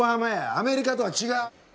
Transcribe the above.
アメリカとは違う！